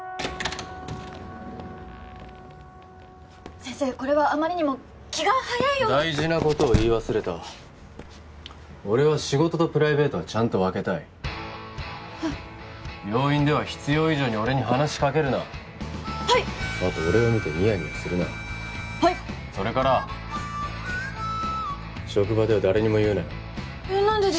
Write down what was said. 先生これはあまりにも気が早いような大事なことを言い忘れた俺は仕事とプライベートはちゃんと分けたいはい病院では必要以上に俺に話しかけるなはいあと俺を見てニヤニヤするなはいそれから職場では誰にも言うなよえっ何でですか？